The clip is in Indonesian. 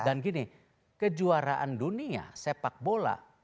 dan gini kejuaraan dunia sepak bola